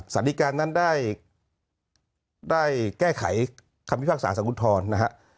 สารดีกานั้นได้แก้ไขคำพิพักษาสังคุณธรณ์